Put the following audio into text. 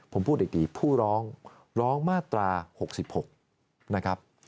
ผมพูดอีกทีผู้ร้องร้องมาตรา๖๖นะครับ